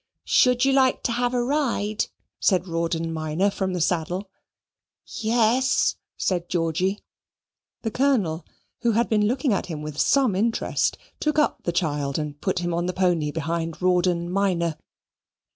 "Should you like to have a ride?" said Rawdon minor from the saddle. "Yes," said Georgy. The Colonel, who had been looking at him with some interest, took up the child and put him on the pony behind Rawdon minor.